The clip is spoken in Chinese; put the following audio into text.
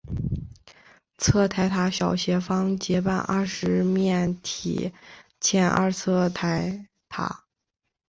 侧台塔小斜方截半二十面体欠二侧台塔。